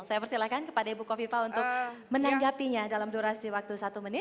saya persilahkan kepada ibu kofifa untuk menanggapinya dalam durasi waktu satu menit